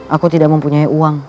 aku tidak mempunyai uang